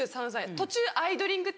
途中アイドリング！！！って